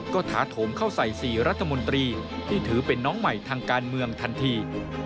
ก็ถาโถมเข้าใส่๔รัฐมนตรีที่ถือเป็นน้องใหม่ทางการเมืองทันที